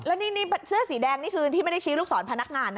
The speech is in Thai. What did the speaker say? แล้วนี่เสื้อสีแดงนี่คือที่ไม่ได้ชี้ลูกศรพนักงานนะ